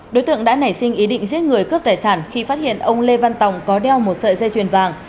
đối tượng đã nảy sinh ý định giết người cướp tài sản khi phát hiện ông lê văn tòng có đeo một sợi dây chuyền vàng